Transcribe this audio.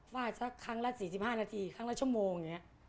บ้านสักครั้งละ๔๕นาทีครั้งละชั่วโมง